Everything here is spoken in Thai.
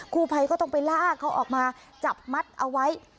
ผู้ภัยก็ต้องไปลากเขาออกมาจับมัดเอาไว้